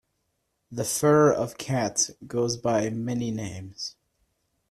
The fur of cats goes by many names.